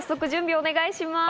はいお願いします。